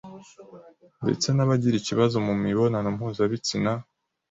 ndetse n’abagira ikibazo mu mibonano mpuzabitsina